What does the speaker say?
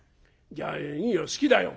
じゃあいいよ好きだよ！」。